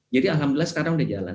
jadi alhamdulillah sekarang sudah jalan